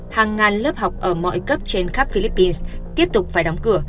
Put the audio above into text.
hàng ngàn lớp học ở mọi cấp trên khắp philippines tiếp tục phải đóng cửa